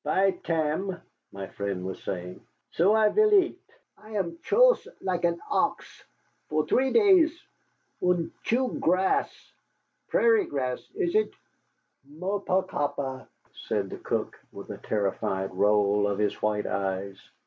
"By tam," my friend was saying, "so I vill eat. I am choost like an ox for three days, und chew grass. Prairie grass, is it?" "Mo pas capab', Michié," said the cook, with a terrified roll of his white eyes.